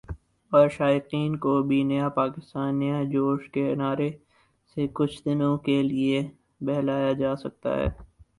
اور شائقین کو بھی "نیا کپتان ، نیا جوش" کے نعرے سے کچھ دنوں کے لیے بہلایا جاسکتا ہے